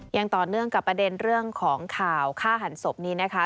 ยังต่อเนื่องกับประเด็นเรื่องของข่าวฆ่าหันศพนี้นะคะ